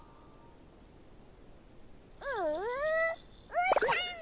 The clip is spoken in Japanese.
ううーたん！